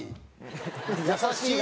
優しい。